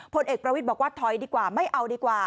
ผลเอกประวิทย์บอกว่าถอยดีกว่าไม่เอาดีกว่า